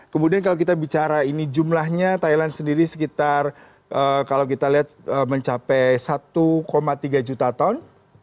kemudian kalau kita bicara ini jumlahnya thailand sendiri sekitar kalau kita lihat mencapai satu tiga juta ton